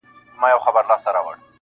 قوالې چي د جنت یې ورکولې -